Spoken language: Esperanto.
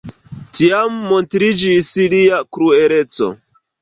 Tiam montriĝis lia krueleco.